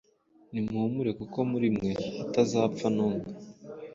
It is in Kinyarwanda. Nimuhumure, kuko muri mwe hatazapfa n’umwe